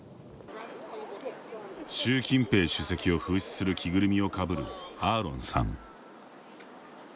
習近平主席を風刺する着ぐるみをかぶるアーロンさん。